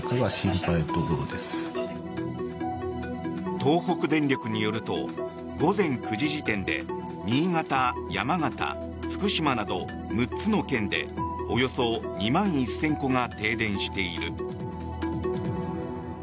東北電力によると午前９時時点で新潟、山形、福島など６つの県でおよそ２万１０００戸が停電している。